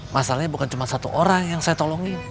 masalahnya bukan cuma satu orang yang saya tolongin